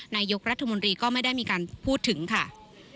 นายกรัฐมนตรีก็ไม่ได้มีการพูดถึงค่ะ